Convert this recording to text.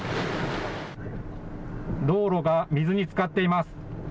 道路が水につかっています。